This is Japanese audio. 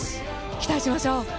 期待しましょう。